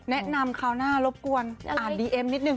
คราวหน้ารบกวนอ่านดีเอ็มนิดนึ